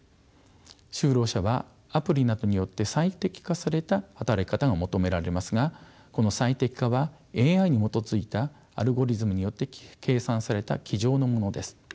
就労者はアプリなどによって最適化された働き方が求められますがこの最適化はＡＩに基づいたアルゴリズムによって計算された机上のものです。